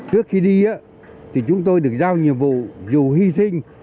trước khi đi thì chúng tôi được giao nhiệm vụ dù hy sinh